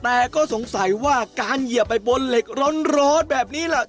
แต่ก็สงสัยว่าการเหยียบไปบนเหล็กร้อนแบบนี้ล่ะ